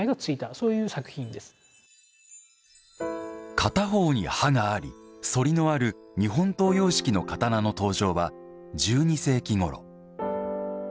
片方に刃があり、そりのある日本刀様式の刀の登場は１２世紀ごろ。